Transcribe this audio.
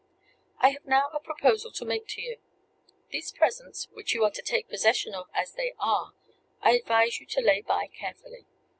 "I have now a proposal to make to you. These presents, which you are to take possession of as they are, I advise you to lay by carefully.